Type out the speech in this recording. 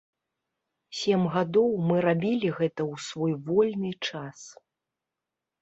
Сем гадоў мы рабілі гэта ў свой вольны час.